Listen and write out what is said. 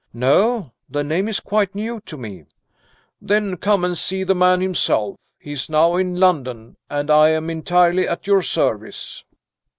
"No; the name is quite new to me." "Then come and see the man himself. He is now in London and I am entirely at your service."